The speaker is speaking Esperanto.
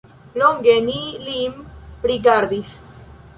Longe ni lin rigardis.